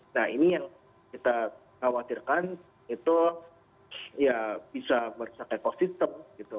nah ini yang kita khawatirkan itu ya bisa merusak ekosistem gitu